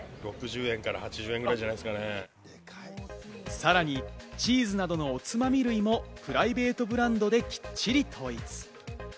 さらにチーズなどのおつまみ類もプライベートブランドできっちり統一。